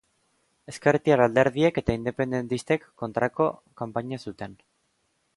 Ezkertiar alderdiek eta independentistek kontrako kanpaina zuten.